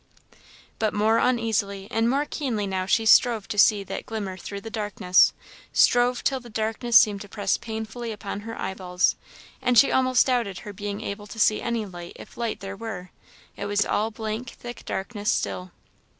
But more uneasily and more keenly now she stove to see that glimmer through the darkness; strove till the darkness seemed to press painfully upon her eyeballs, and she almost doubted her being able to see any light if light there were; it was all blank thick darkness still.